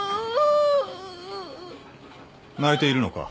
・泣いているのか？